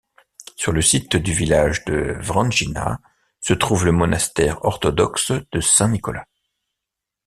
Sur le site du village de Vranjina se trouve le monastère orthodoxe de Saint-Nicolas.